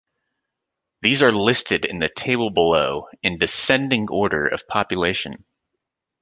These are listed in the table below, in descending order of population.